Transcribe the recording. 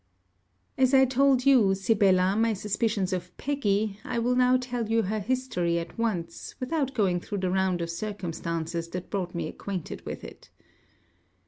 As I told you, Sibella, my suspicions of Peggy, I will now tell you her history at once, without going through the round of circumstances that brought me acquainted with it.